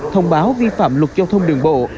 thông báo vi phạm luật giao thông đường bộ